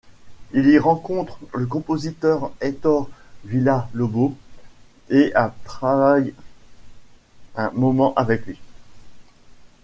Il y rencontre le compositeur Heitor Villa-Lobos et a travaille un moment avec lui.